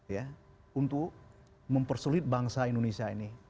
ya untuk mempersulit bangsa indonesia ini